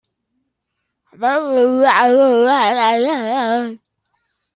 Las estatuas de los escribas sentados aparecieron en tiempos de la primera dinastía.